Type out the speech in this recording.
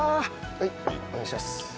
はいお願いします。